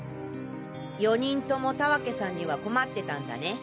４人とも田分さんには困ってたんだね。